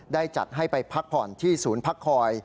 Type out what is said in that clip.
จัดให้ไปพักผ่อนที่ศูนย์พักคอย